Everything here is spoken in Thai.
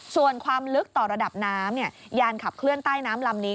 ส่วนความลึกต่อระดับน้ำยานขับเคลื่อนใต้น้ำลำนี้